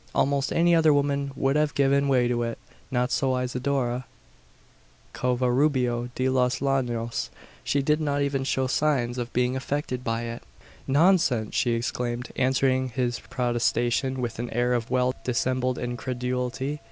Almost any other woman would have given way to it. Not so Isidora Covarubio de los Llanos. She did not even show signs of being affected by it. "Nonsense!" she exclaimed, answering his protestation with an air of well dissembled incredulity.